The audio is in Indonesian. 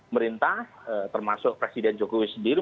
merintah termasuk presiden jokowi sendiri